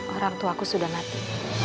orangtuaku sudah mati